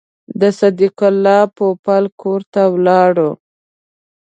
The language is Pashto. د صدیق الله پوپل کور ته ولاړو.